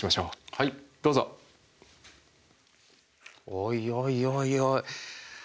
おいおいおいおい。